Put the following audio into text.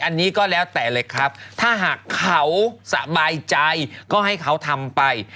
อันนี้ก็แล้วแต่เลยครับถ้าหากเขาสบายใจก็ให้เขาทำไป